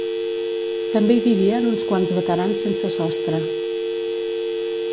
També hi vivien uns quants Veterans sense sostre.